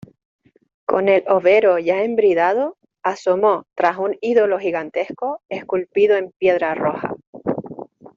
con el overo ya embridado asomó tras un ídolo gigantesco esculpido en piedra roja.